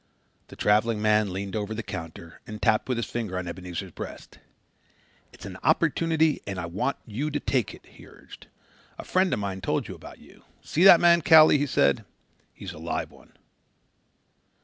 The traveling man leaned over the counter and tapped with his finger on Ebenezer's breast. "It's an opportunity and I want you to take it," he urged. "A friend of mine told me about you. 'See that man Cowley,' he said. 'He's a live one.